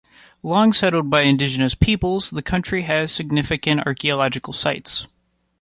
Long settled by indigenous peoples, the county has significant archaeological sites.